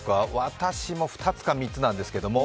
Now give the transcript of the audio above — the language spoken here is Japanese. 私も２つか３つなんですけれども。